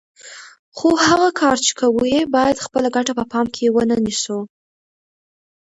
خو هغه کار چې کوو یې باید خپله ګټه په پام کې ونه نیسو.